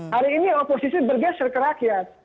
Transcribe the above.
hari ini oposisi bergeser ke rakyat